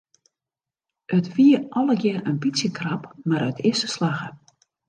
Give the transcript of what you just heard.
It wie allegear in bytsje krap mar it is slagge.